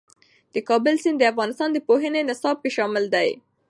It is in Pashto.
د کابل سیند د افغانستان د پوهنې نصاب کې شامل دي.